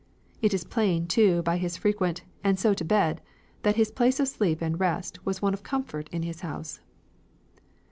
It is plain, too, by his frequent "and so to bed," that his place of sleep and rest was one of comfort in his house.